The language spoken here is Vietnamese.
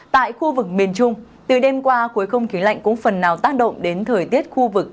tại khu vực miền trung từ đêm qua cuối không khí lạnh cũng phần nào tác động đến thời tiết khu vực